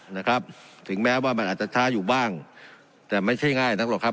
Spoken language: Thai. นะครับถึงแม้ว่ามันอาจจะช้าอยู่บ้างแต่ไม่ใช่ง่ายนักหรอกครับ